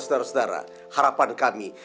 saudara saudara harapan kami